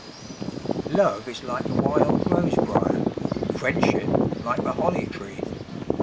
Love is like the wild rose briar; Friendship like the holly tree.